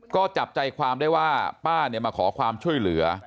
ก็จับใจความได้ว่าป้ามาขอความช่วยเหลือ